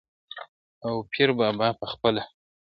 او پیر بابا پخپله ..